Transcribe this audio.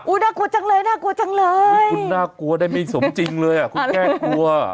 น่ากลัวจังเลยน่ากลัวจังเลยคุณน่ากลัวได้ไม่สมจริงเลยอ่ะคุณแก้กลัว